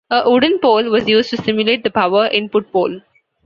A wooden pole was used to simulate the power input pole.